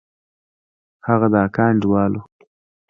هغه د اکا انډيوال و.